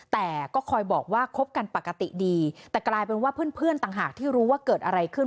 แต่ก็คอยบอกว่าคบกันปกติดีแต่กลายเป็นว่าเพื่อนต่างหากที่รู้ว่าเกิดอะไรขึ้น